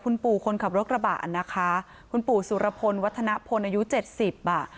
คุณปู่คนขับรถกระบะนะคะคุณปู่สุรพลวัฒนพลอายุเจ็ดสิบอ่ะ